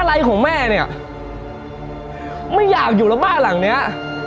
อะไรของแม่เนี่ยไม่อยากอยู่แล้วบ้านหลังเนี้ย